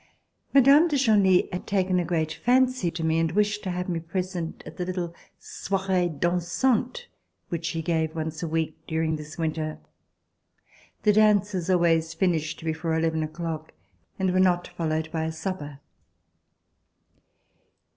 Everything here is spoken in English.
Mme. de Genlis had taken a great fancy to me, and wished to have me present at the little soirees dansantes which she gave once a week during this winter. The dances always finished before eleven o'clock and were not followed by a supper.